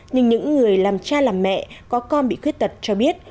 nhưng những người làm cha làm mẹ có con bị khuyết tật cho biết